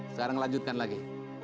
sekarang lanjutkan lagi